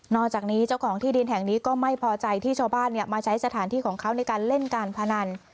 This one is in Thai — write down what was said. จากนี้เจ้าของที่ดินแห่งนี้ก็ไม่พอใจที่ชาวบ้านมาใช้สถานที่ของเขาในการเล่นการพนัน